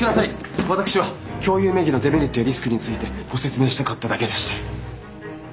私は共有名義のデメリットやリスクについてご説明したかっただけです。